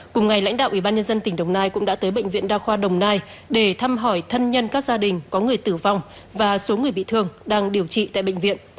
cùng ngày lãnh đạo ủy ban nhân dân tỉnh đồng nai cũng đã tới bệnh viện đa khoa đồng nai để thăm hỏi thân nhân các gia đình có người tử vong và số người bị thương đang điều trị tại bệnh viện